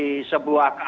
tapi bagi sebuah anggota